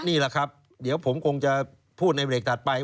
นี่แหละครับเดี๋ยวผมคงจะพูดในเบรกถัดไป